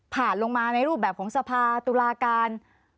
ลงมาในรูปแบบของสภาตุลาการ